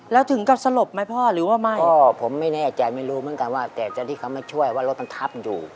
แล้วถึงกับสลบไหมพ่อหรือว่าไม่พ่อผมไม่แน่ใจไม่รู้เหมือนกันว่าแต่เจ้าหน้าที่เขามาช่วยว่ารถมันทับอยู่